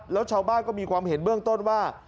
แล้วชาวบ้านก็มีความเห็นเบื้องต้นว่า